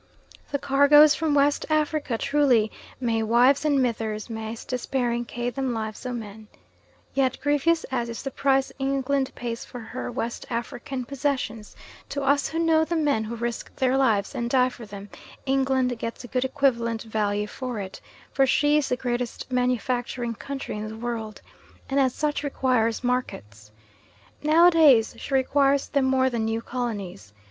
The cargoes from West Africa truly may "wives and mithers maist despairing ca' them lives o' men." Yet grievous as is the price England pays for her West African possessions, to us who know the men who risk their lives and die for them, England gets a good equivalent value for it; for she is the greatest manufacturing country in the world, and as such requires markets. Nowadays she requires them more than new colonies.